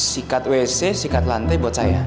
sikat wc sikat lantai buat saya